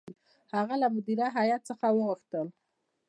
هغه له مدیره هیات څخه وغوښتل.